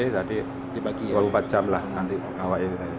jadi dua puluh empat jam lah nanti mengawainya